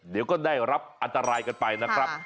เดี๋ยวก็ได้รับอันตรายกันไปนะครับ